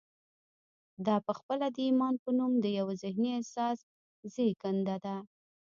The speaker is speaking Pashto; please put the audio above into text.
دا پخپله د ایمان په نوم د یوه ذهني احساس زېږنده ده